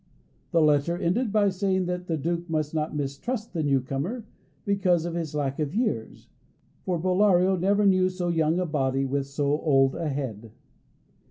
The letter ended by saying that the Duke must not mistrust the new comer because of his lack of years, for Bellario "never knew so young a body with so old a head."